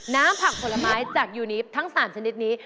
น้ำผักผลไม้จากยูนีฟทั้ง๓ชนิดนี้